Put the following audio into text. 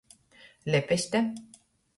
Lepeste.